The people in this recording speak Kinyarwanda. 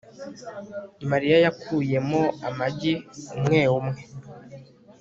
mariya yakuyemo amagi umwe umwe